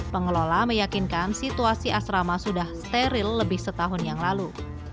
pengelola meyakinkan situasi asrama sudah steril lebih setahun yang lalu